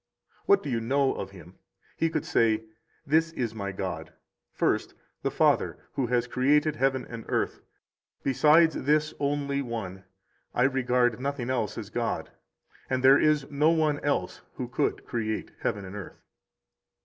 What do you know of Him? he could say: This is my God: first, the Father, who has created heaven and earth; besides this only One I regard nothing else as God; for there is no one else who could create heaven and earth.